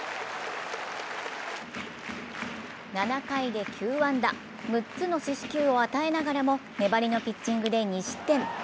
７回で９安打、６つの四死球を与えながらも粘りのピッチングで２失点。